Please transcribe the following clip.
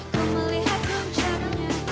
kau melihat duncanya